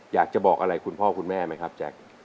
อยากจะบอกอะไรคุณพ่อคุณแม่ไหมครับแจ๊ค